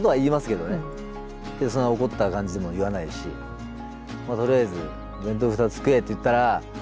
けどそんな怒った感じでも言わないしとりあえず「弁当２つ食え」って言ったら気が楽になると思うんです。